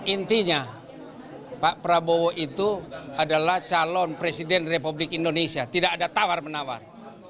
intinya pak prabowo itu adalah calon presiden republik indonesia tidak ada tawar menawar